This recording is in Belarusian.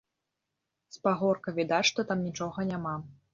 З пагорка відаць, што там нічога няма.